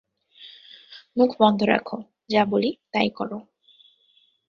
মুখ বন্ধ রাখ, যা বলি তাই কর।